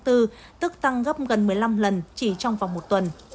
tức tăng gấp gần một mươi năm lần chỉ trong vòng một tuần